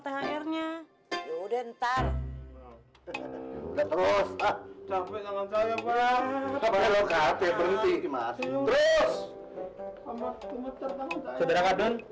thr nya udah ntar terus berhenti terus